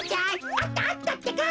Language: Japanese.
あったあったってか。